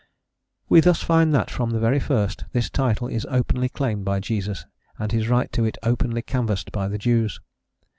We thus find that, from the very first, this title is openly claimed by Jesus, and his right to it openly canvassed by the Jews.